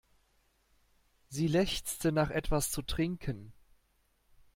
Sie lechzte nach etwas zu trinken.